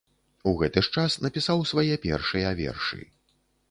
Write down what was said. У гэты ж час напісаў свае першыя вершы.